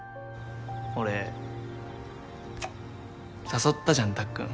俺誘ったじゃんたっくん。